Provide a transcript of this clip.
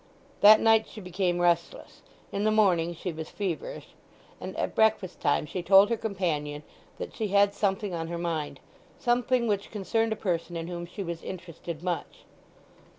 That night she became restless; in the morning she was feverish; and at breakfast time she told her companion that she had something on her mind—something which concerned a person in whom she was interested much.